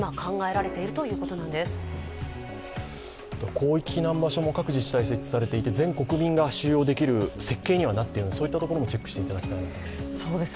広域な場所も各自治体設置されていて、全国民が使用できる設計にもなっている、そういった所もチェックしていただきたいなと思います。